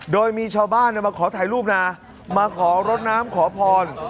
โดยมีชาวบ้านมาขอถ่ายรูปนะมาขอรถน้ำขอพร